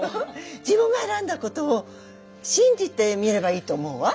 自分が選んだことを信じてみればいいと思うわ。